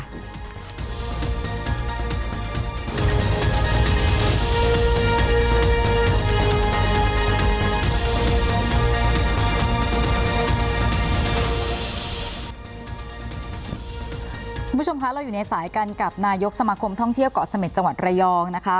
คุณผู้ชมคะเราอยู่ในสายกันกับนายกสมาคมท่องเที่ยวเกาะเสม็ดจังหวัดระยองนะคะ